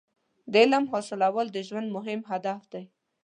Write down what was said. • د علم حاصلول د ژوند مهم هدف دی.